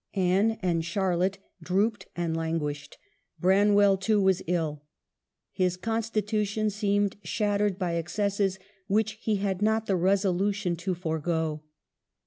Anne and Charlotte drooped and languished ; Branwell, too, was ill. His constitution seemed shattered by excesses which he had not the resolution to forego.